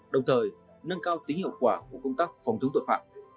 đồng thời nâng cao tính hiệu quả của công tác phòng chống tội phạm